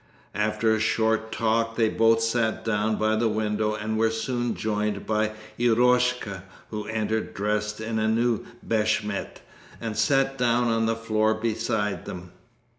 After a short talk they both sat down by the window and were soon joined by Eroshka, who entered dressed in a new beshmet and sat down on the floor beside them.